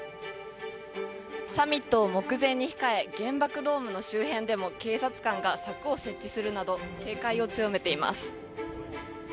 サミットを目前に控え原爆ドームの周辺でも警察官が柵を設置するなど警戒を強めています。